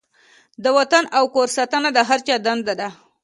د وطن او کور ساتنه د هر چا دنده ده.